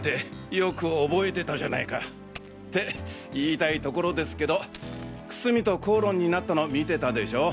よく覚えてたじゃないかって言いたいところですけど楠見と口論になったの見てたでしょ？